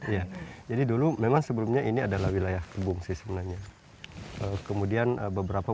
iya jadi dulu memang sebelumnya ini adalah wilayah bungsi sebenarnya kemudian beberapa